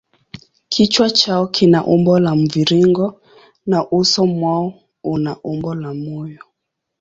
Kichwa chao kina umbo la mviringo na uso mwao una umbo la moyo.